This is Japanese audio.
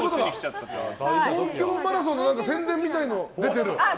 東京マラソンの宣伝みたいなの出てる！